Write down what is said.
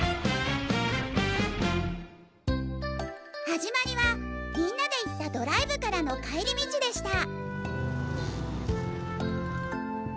「始まりはみんなで行ったドライブからの帰り道でした」。